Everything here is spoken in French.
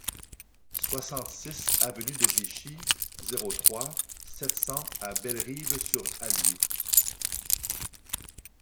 soixante-six avenue de Vichy, zéro trois, sept cents à Bellerive-sur-Allier